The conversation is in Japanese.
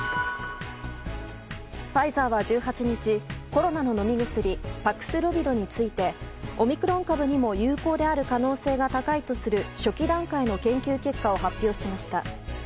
ファイザーは１８日コロナの飲み薬パクスロビドについてオミクロン株にも有効である可能性が高いとする初期段階の研究結果を発表しました。